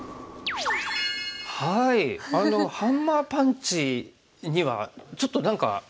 ハンマーパンチにはちょっと何か。